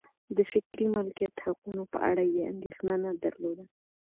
د فکري مالکیت حقونو په اړه یې اندېښنه نه درلوده.